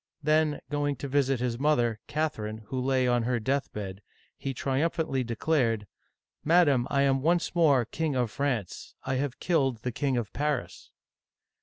*' Then, going to visit his mother, Catherine, who lay on her deathbed, he tri umphantly declared :Madam, I am once more King of France. I have killed the King of Paris